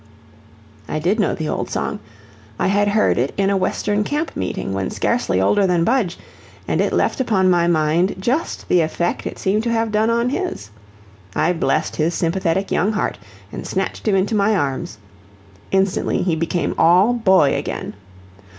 I DID know the old song; I had heard it in a Western camp meeting, when scarcely older than Budge, and it left upon my mind just the effect it seemed to have done on his. I blessed his sympathetic young heart, and snatched him into my arms. Instantly he became all boy again.